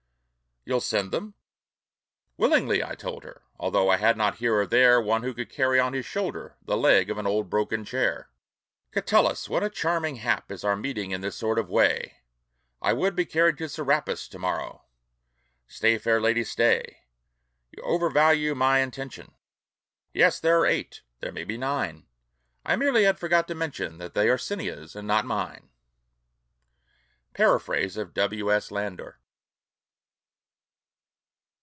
"You'll send them?" "Willingly!" I told her, Although I had not here or there One who could carry on his shoulder The leg of an old broken chair. "Catullus! what a charming hap is Our meeting in this sort of way! I would be carried to Serapis To morrow!" "Stay, fair lady, stay! "You overvalue my intention. Yes, there are eight ... there may be nine: I merely had forgot to mention That they are Cinna's, and not mine." Paraphrase of W. S. Landor.